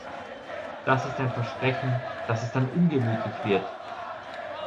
Das ist ein Versprechen, dass es dann ungemütlich wird!